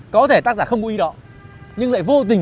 có thể tác giả không có ý đó nhưng lại vô tình